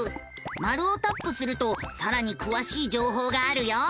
マルをタップするとさらにくわしい情報があるよ。